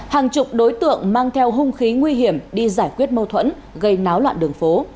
hàng chục đối tượng mang theo hung khí nguy hiểm đi giải quyết mâu thuẫn gây náo loạn đường phố